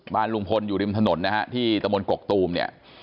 บ้านลุงพลอยู่ริมถนนนะฮะที่ตะมนตกกตูมเนี่ย